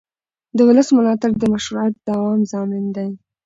د ولس ملاتړ د مشروعیت دوام ضامن دی